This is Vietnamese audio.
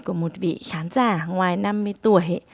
của một vị khán giả ngoài năm mươi tuổi